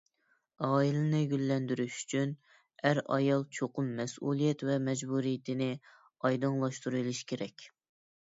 ئائىلىنى گۈللەندۈرۈش ئۈچۈن، ئەر-ئايال چوقۇم مەسئۇلىيەت ۋە مەجبۇرىيىتىنى ئايدىڭلاشتۇرۇۋېلىشى كېرەك!